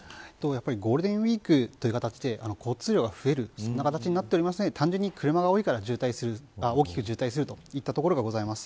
ゴールデンウイークという形で交通量が増えるという形なので単純に車が多いから大きく渋滞するということがあります。